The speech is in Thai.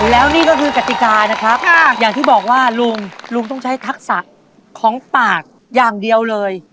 แล้วนี่ก็คือกติกานะครับอย่างที่บอกว่าลุงลุงต้องใช้ทักษะของปากอย่างเดียวเลย